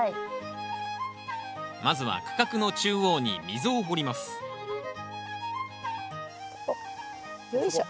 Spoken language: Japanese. まずは区画の中央に溝を掘りますよいしょ。